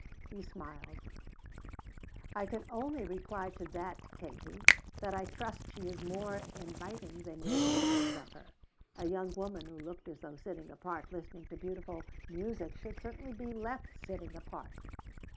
He smiled. "I can only reply to that, Katie, that I trust she is more inviting than your pictures of her. A young woman who looked as though sitting apart listening to beautiful music should certainly be left sitting apart."